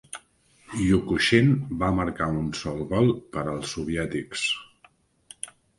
Yakushyn va marcar un sol gol per als soviètics.